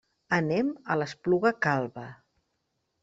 Anem a l'Espluga Calba.